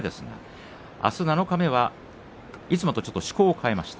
あす七日目はいつもと趣向を変えます。